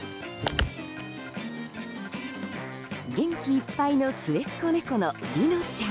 元気いっぱいの末っ子猫のリノちゃん。